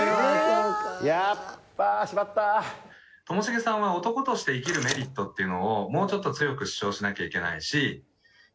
ともしげさんは男として生きるメリットっていうのをもうちょっと強く主張しなきゃいけないし。